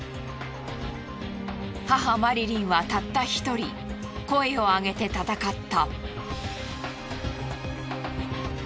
母マリリンはたった１人声をあげて戦った。